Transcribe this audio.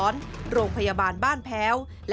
ก่อนหน้านี้สำนักงานคณะกรรมการพัฒนาระบบราชการหรือกรพรอ